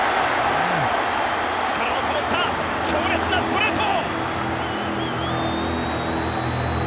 力のこもった強烈なストレート。